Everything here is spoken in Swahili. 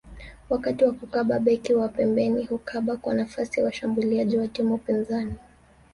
Wakati wa kukaba beki wa pembeni hukaba kwa nafasi ya washambuliaji wa timu pinzani